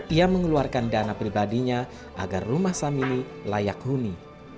ia mengeluarkan dana pribadinya agar rumah samini layak huni